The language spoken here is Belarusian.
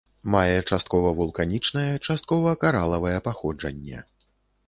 Мае часткова вулканічнае, часткова каралавае паходжанне.